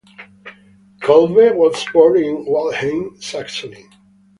Kolbe was born in Waldheim, Saxony.